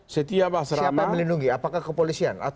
siapa melindungi apakah kepolisian